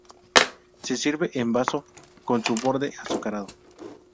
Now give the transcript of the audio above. Se sirve en vaso con su borde azucarado.